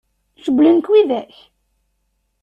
Cewwlen-k widak?